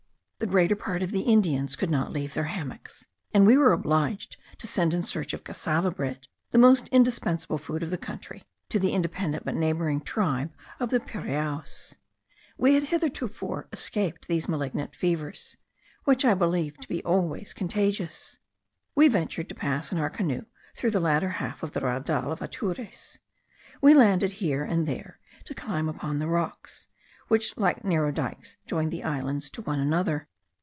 The greater part of the Indians could not leave their hammocks, and we were obliged to send in search of cassava bread, the most indispensable food of the country, to the independent but neighbouring tribe of the Piraoas. We had hitherto escaped these malignant fevers, which I believe to be always contagious. We ventured to pass in our canoe through the latter half of the Raudal of Atures. We landed here and there, to climb upon the rocks, which like narrow dikes joined the islands to one another.